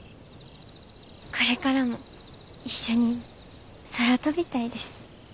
これからも一緒に空飛びたいです。